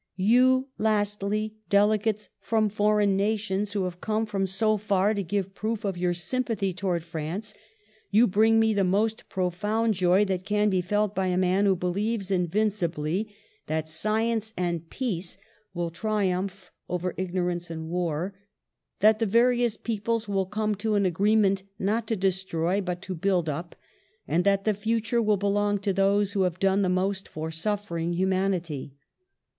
"You, lastly, delegates from foreign nations, who have come from so far to give proof of your sym pathy towards France, you bring me the most pro found joy that can be felt by a man who believes invincibly that science and peace will triumph over ignorance and war; that the various peoples will come to an agreement not to destroy, but to build up; and that the future will belong to those who have done the most for suffering humanity.